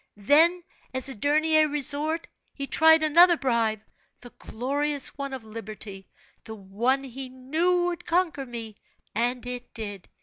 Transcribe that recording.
Then as a dernier resort, he tried another bribe the glorious one of liberty, the one he knew would conquer me, and it did.